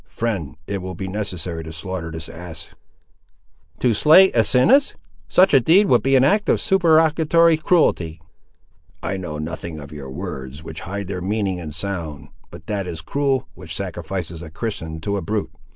"Friend, it will be necessary to slaughter this ass." "To slay Asinus! such a deed would be an act of supererogatory cruelty." "I know nothing of your words, which hide their meaning in sound; but that is cruel which sacrifices a Christian to a brute.